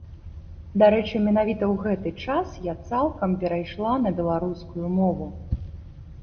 Дарэчы, менавіта ў гэты час я цалкам перайшла на беларускую мову.